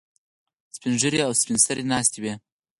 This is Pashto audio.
سپین ږیري او سپین سرې ناستې وي.